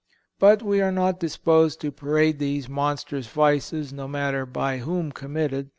But we are not disposed to parade these monstrous vices, no matter by whom committed.